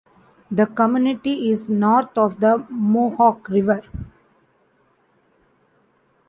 The community is north of the Mohawk River.